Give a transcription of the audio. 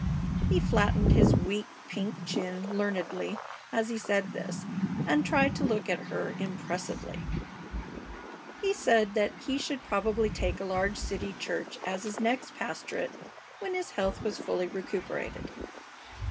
He flattened his weak, pink chin learnedly as he said this, and tried to look at her impressively. He said that he should probably take a large city church as his next pastorate when his health was fully recuperated.